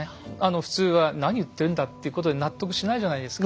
普通は何言ってんだっていうことで納得しないじゃないですか。